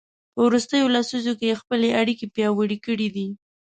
په وروستیو لسیزو کې یې خپلې اړیکې پیاوړې کړي دي.